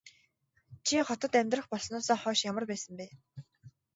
Чи хотод амьдрах болсноосоо хойш ямар байсан бэ?